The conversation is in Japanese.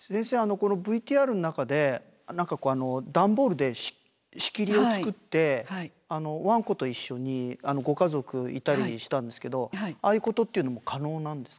このＶＴＲの中で段ボールで仕切りを作ってワンコと一緒にご家族いたりしたんですけどああいうことっていうのも可能なんですか？